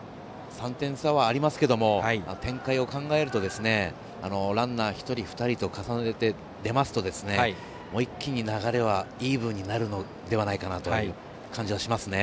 ３点差はありますけど展開を考えるとランナー１人、２人と重ねて出ますと一気に流れはイーブンになるのではないかなという感じがしますね。